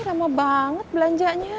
lama banget belanjanya